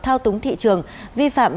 thao túng thị trường vi phạm